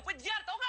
pejar tau gak